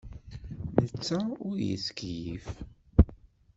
Netta ur yettkeyyif.